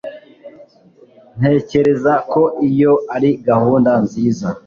ntekereza ko iyo ari gahunda nziza